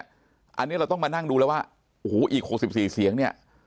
อันนี้เราต้องมานั่งดูแล้วว่าโอ้โหอีก๖๔เสียงเนี่ย